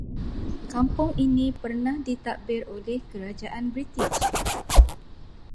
Kampung ini pernah ditadbir oleh kerajaan british